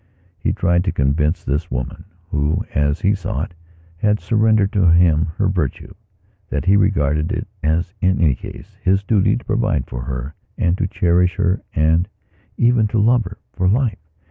He tried to convince this woman, who, as he saw it, had surrendered to him her virtue, that he regarded it as in any case his duty to provide for her, and to cherish her and even to love herfor life.